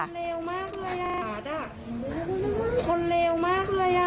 มันเลวมากเลยอ่ะคนเลวมากเลยอ่ะ